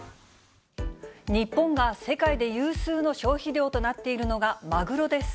日本が世界で有数の消費量となっているのがマグロです。